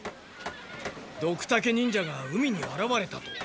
ドクタケ忍者が海にあらわれたと。